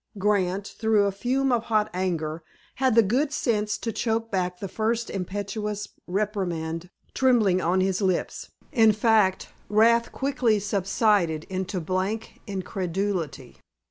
Grant, though in a fume of hot anger, had the good sense to choke back the first impetuous reprimand trembling on his lips. In fact, wrath quickly subsided into blank incredulity.